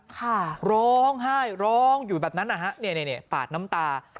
ร้องไห้ร้องอยู่แบบนั้นนะฮะเนี่ยปาดน้ำตา